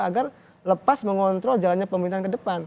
agar lepas mengontrol jalannya pemerintahan ke depan